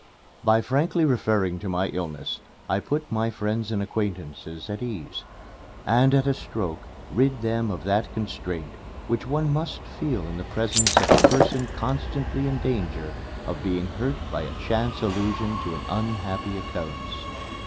By frankly referring to my illness, I put my friends and acquaintances at ease, and at a stroke rid them of that constraint which one must feel in the presence of a person constantly in danger of being hurt by a chance allusion to an unhappy occurrence.